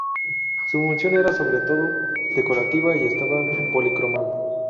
Su función era, sobre todo, decorativa y estaba policromada.